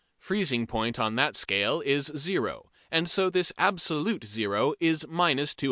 Freezing point on that scale is "zero," and so this absolute zero is minus 274°.